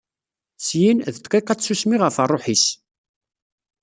Syin, d ddqiqa n tsusmi ɣef rruḥ-is.